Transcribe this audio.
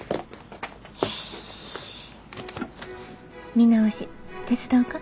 見直し手伝おか？